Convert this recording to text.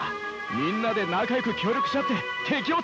みんなで仲よく協力し合って敵を倒そう！